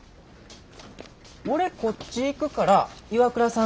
俺こっち行くから岩倉さん